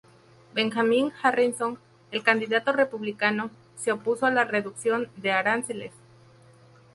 Benjamin Harrison, el candidato republicano, se opuso a la reducción de aranceles.